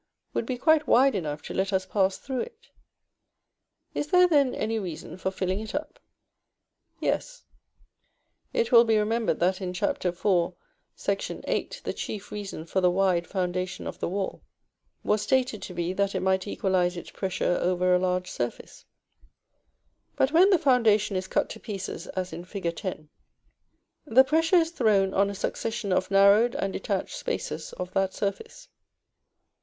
would be quite wide enough to let us pass through it. Is there then any reason for filling it up? Yes. It will be remembered that in Chap. IV. § VIII. the chief reason for the wide foundation of the wall was stated to be "that it might equalise its pressure over a large surface;" but when the foundation is cut to pieces as in Fig. X., the pressure is thrown on a succession of narrowed and detached spaces of that surface.